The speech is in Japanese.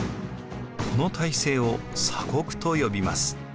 この体制を鎖国と呼びます。